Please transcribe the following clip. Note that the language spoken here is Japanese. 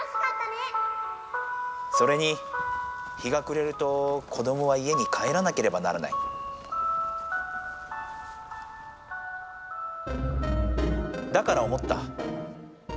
それに日がくれると子どもは家に帰らなければならないだから思った。